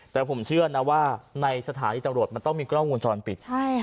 แต่ผมเชื่อนะว่าในสถานีตำรวจมันต้องมีกล้องวงจรปิด